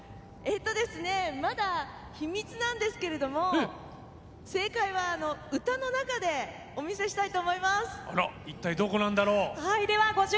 まだ秘密なんですけど正解は歌の中でお見せしたいと思います。